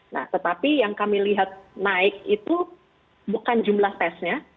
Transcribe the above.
nah tetapi yang kami lihat naik itu bukan jumlah tesnya